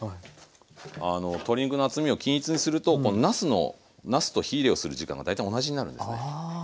あの鶏肉の厚みを均一にするとこのなすのなすと火入れをする時間が大体同じになるんですね。